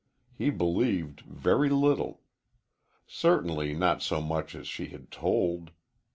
He believed, very little. Certainly not so much as she had told.